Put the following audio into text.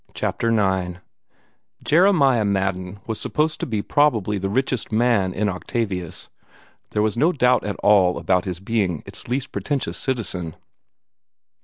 CHAPTER IX Jeremiah Madden was supposed to be probably the richest man in Octavius. There was no doubt at all about his being its least pretentious citizen.